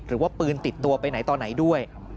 หรือว่าปืนติดตัวไปไหนต่อไหนด้วย